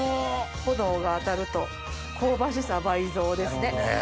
炎が当たると香ばしさ倍増ですね。